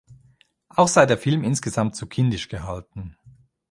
Auch sei der Film insgesamt zu kindisch gehalten.